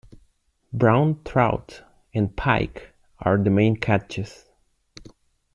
Brown trout and pike are the main catches.